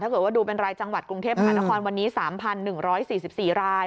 ถ้าเกิดว่าดูเป็นรายจังหวัดกรุงเทพมหานครวันนี้๓๑๔๔ราย